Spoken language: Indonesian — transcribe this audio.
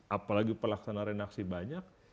apalagi pelaksanaan reaksi banyak